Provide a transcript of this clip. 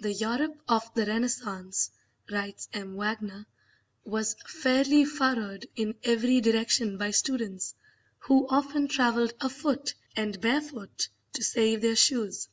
"The Europe of the Renaissance," writes M. Wagner, "was fairly furrowed in every direction by students, who often travelled afoot and barefoot to save their shoes."